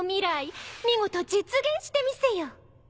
見事実現してみせよ。